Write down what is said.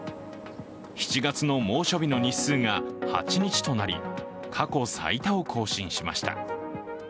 ７月の猛暑日の日数が８日となり過去最多を更新しました。